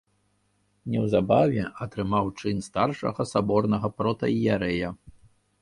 Неўзабаве атрымаў чын старшага саборнага протаіерэя.